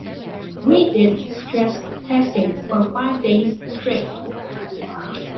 We did stress testing for five days straight.